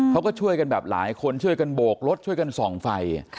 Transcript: เขาก็ช่วยกันแบบหลายคนช่วยกันโบกรถช่วยกันส่องไฟ